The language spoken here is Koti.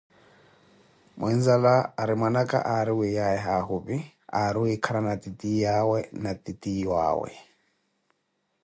Muinzala arri mwananka ari wiyaye hahupi aari wikhalana titiyawe na titiyuawe